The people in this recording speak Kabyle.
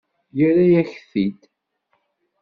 Yerra-yak-t-id.